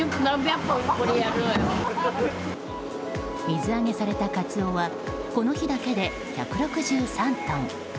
水揚げされたカツオはこの日だけで１６３トン。